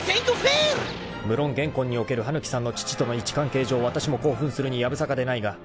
［むろん現今における羽貫さんの乳との位置関係上わたしも興奮するにやぶさかでないが］